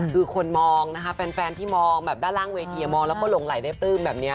คือแฟนที่มองมองได้ล่างว่ายเทียมองแล้วก็หลงไหลได้ตื้มแบบนี้